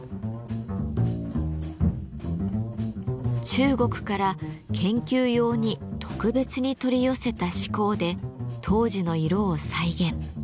中国から研究用に特別に取り寄せた紫鉱で当時の色を再現。